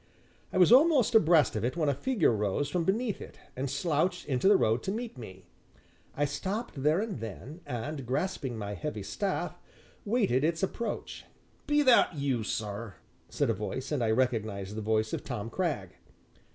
I was almost abreast of it when a figure rose from beneath it and slouched into the road to meet me. I stopped there and then, and grasping my heavy staff waited its approach. "Be that you, sir?" said a voice, and I recognized the voice of Tom Cragg.